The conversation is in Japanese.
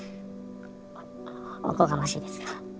おこがましいですが。